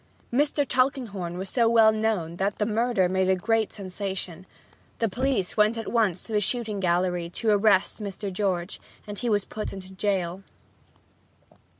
Mr. Tulkinghorn was so well known that the murder made a great sensation. The police went at once to the shooting gallery to arrest Mr. George and he was put into jail.